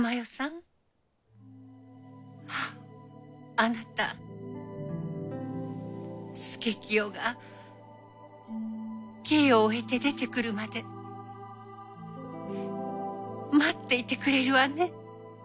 あなた佐清が刑を終えて出てくるまで待っていてくれるわね？